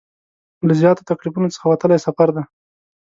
له زیاتو تکلیفونو څخه وتلی سفر دی.